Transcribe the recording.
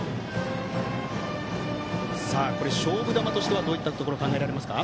勝負球としてはどういったものが考えられますか。